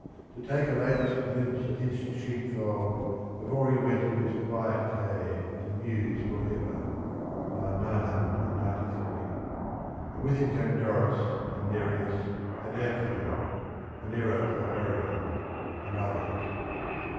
To take a latest glimpse at his sheep fold, Before he went into his quiet cave To muse for ever: (III. 993) and with him came Doris and Nereus and Amphion (an error for Arion) and others.